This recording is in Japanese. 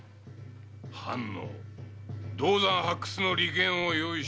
藩の銅山発掘の利権を用意してもらおうか。